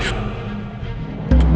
bumi akan menjadi milik kita